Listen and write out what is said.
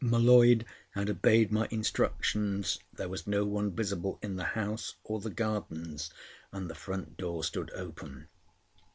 M'Leod had obeyed my instructions. There was no one visible in the house or the gardens; and the front door stood open.